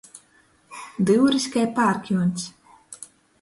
Dyuris kai pārkiuņs.